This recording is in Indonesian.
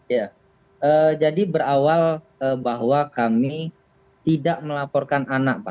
ya jadi berawal bahwa kami tidak melaporkan anak pak